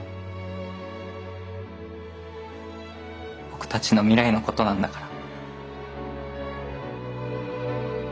僕たちの未来のことなんだから。